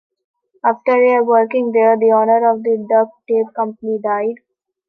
After a year working there, the owner of the duct tape company died.